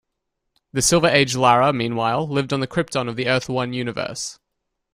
The Silver Age Lara, meanwhile, lived on the Krypton of the Earth-One universe.